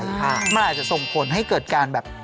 มันอาจจะส่งผลให้เกิดการแบบ